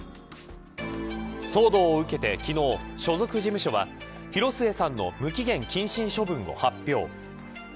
騒動を受けて昨日、所属事務所は広末さんの無期限謹慎処分を発表。